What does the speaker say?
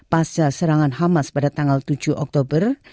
pasca serangan hamas pada tanggal tujuh oktober